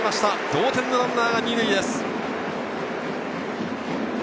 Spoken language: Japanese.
同点のランナーが２塁です。